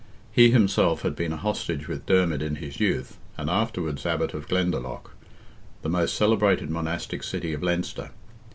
He himself had been a hostage with Dermid in his youth, and afterwards Abbot of Glendalough, the most celebrated monastic city of Leinster.